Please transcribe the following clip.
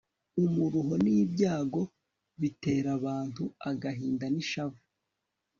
umuruho nibyago biterabantu agahinda nishavu